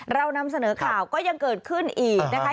เรานำเสนอข่าวก็ยังเกิดขึ้นอีกนะคะ